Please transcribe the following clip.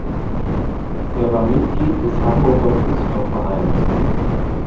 Er war Mitglied des Hamburger Künstlervereins.